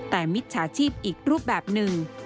แต่มิจฉาชีพอีกรูปแบบหนึ่ง